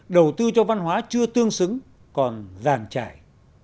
đầu tư cho văn hóa chưa tương xứng còn giàn trải